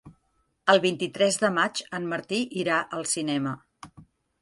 El vint-i-tres de maig en Martí irà al cinema.